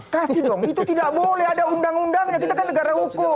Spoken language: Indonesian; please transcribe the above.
kasih dong itu tidak boleh ada undang undangnya kita kan negara hukum